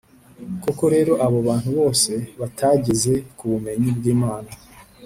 Koko rero, abo bantu bose batageze ku bumenyi bw’Imana,